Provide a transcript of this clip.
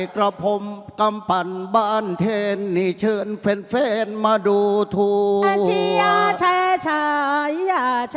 กระพรมกำปั่นบ้านเทนนี่เชิญแฟนมาดูทัวร์